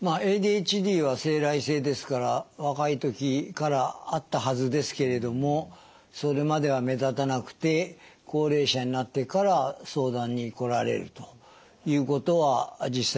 まあＡＤＨＤは生来性ですから若いときからあったはずですけれどもそれまでは目立たなくて高齢者になってから相談に来られるということは実際にはあります。